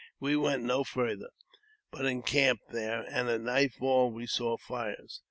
We went no farther, but encamped there, and at nightfall we saw fires.